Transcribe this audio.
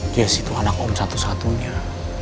yes itu anak om satu satunya